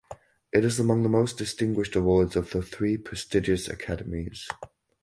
It is among the most distinguished awards of the three prestigious academies.